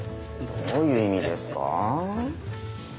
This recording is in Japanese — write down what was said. どういう意味ですかあ？